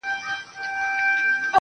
سم وارخطا.